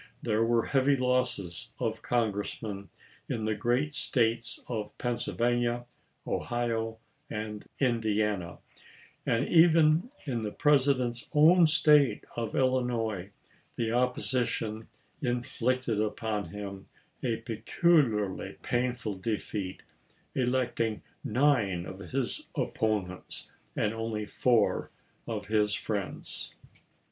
There were heavy losses of Congressmen in the great States of Pennsylvania, Ohio, and Indiana ; and even in the President's own State of Illinois the opposition in flicted upon him a peculiarly painful defeat, elect ing nine of his opponents and only four of his friends.